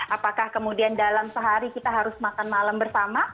apakah kemudian dalam sehari kita harus makan malam bersama